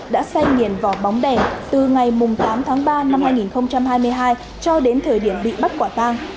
đã say nghiền vỏ bóng đèn từ ngày tám tháng ba năm hai nghìn hai mươi hai cho đến thời điểm bị bắt quả tang